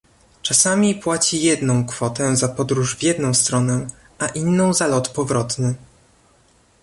Czasami płaci jedną kwotę za podróż w jedną stroną, a inną za lot powrotny